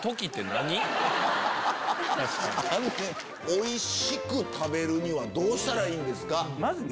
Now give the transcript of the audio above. おいしく食べるにはどうしたらいいんですか？